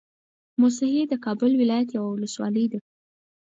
موسهي د کابل ولايت يوه ولسوالۍ ده